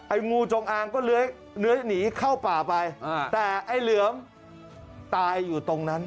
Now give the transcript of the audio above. งูจงอางก็เลื้อยหนีเข้าป่าไปแต่ไอ้เหลือมตายอยู่ตรงนั้น